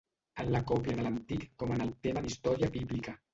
En la còpia de l'antic com en el tema d'història bíblica